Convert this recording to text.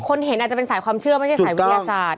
เห็นอาจจะเป็นสายความเชื่อไม่ใช่สายวิทยาศาสตร์